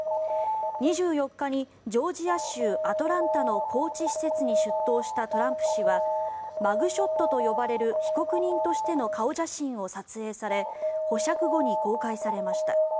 ２４日にジョージア州アトランタの拘置施設に出頭したトランプ氏はマグショットと呼ばれる被告人としての顔写真を撮影され保釈後に公開されました。